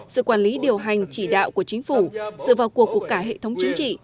sự quản lý điều hành chỉ đạo của chính phủ sự vào cuộc của cả hệ thống chính trị